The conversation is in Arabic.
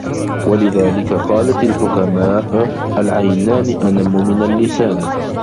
وَلِذَلِكَ قَالَتْ الْحُكَمَاءُ الْعَيْنَانِ أَنَمُّ مِنْ اللِّسَانِ